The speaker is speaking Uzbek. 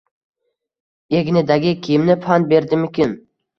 Egnidagi kiyimi pand berdimikin